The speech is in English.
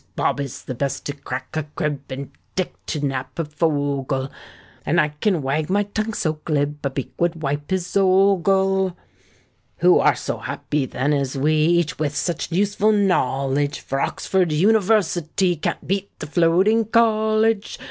Bob is the best to crack a crib, And Dick to knap a fogle; And I can wag my tongue so glib A beak would wipe his ogle. Who are so happy then as we— Each with such useful knowledge? For Oxford University Can't beat the Floating College.